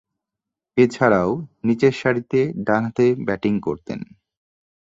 এছাড়াও, নিচেরসারিতে ডানহাতে ব্যাটিং করতেন।